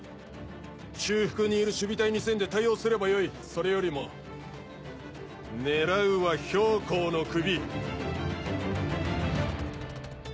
中腹にいる守備隊２千で対応すればよいそれよりも狙うは公の首。